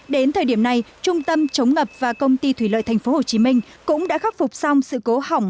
đến thời điểm này trung tâm chống ngập và công ty thủy lợi tp hcm cũng đã khắc phục xong sự cố hỏng